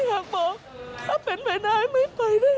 อยากบอกถ้าเป็นไปได้ไม่ไปดิ